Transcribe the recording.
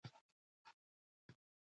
فیوډالېزم د واک تشه رامنځته کړه.